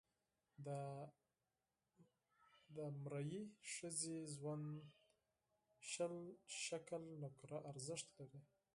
د غلامي ښځې ژوند شل شِکِل نقره ارزښت لري.